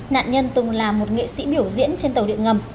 nạn nhân từng là một nghệ sĩ biểu diễn trên tàu điện ngầm